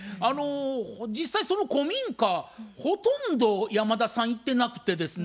実際その古民家ほとんど山田さん行ってなくてですね